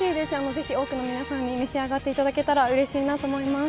ぜひ多くの皆さんに召し上がっていただけたらうれしいと思います。